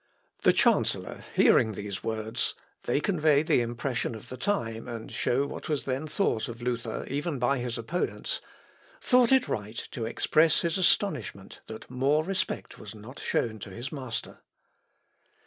p. 320.) The chancellor hearing these words, (they convey the impressions of the time, and show what was then thought of Luther even by his opponents,) thought it right to express his astonishment that more respect was not shown to his master.